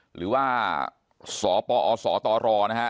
หรือว่าสตร